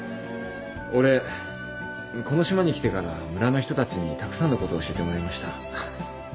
俺この島に来てから村の人たちにたくさんのことを教えてもらいました。